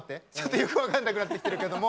よく分からなくなってきてるけど。